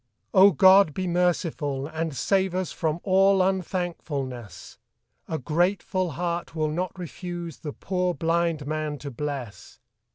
. Oh, God, be merciful and save Us from all un thank fulness ! A grateful heart will not refuse The poor blind man to bless.